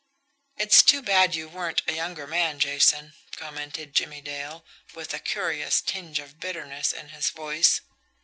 "It's too bad you weren't a younger man, Jason," commented Jimmie Dale, with a curious tinge of bitterness in his voice.